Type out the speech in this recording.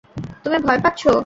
তুমি ভয় পাচ্ছো?